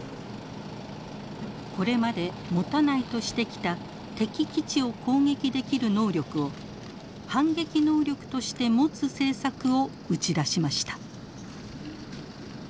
これまで持たないとしてきた敵基地を攻撃できる能力を反撃能力として持つ政策を打ち出しました。